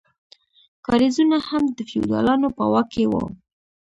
کاریزونه هم د فیوډالانو په واک کې وو.